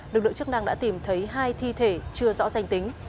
lực lượng chức năng đã tìm thấy hai thi thể chưa rõ danh tính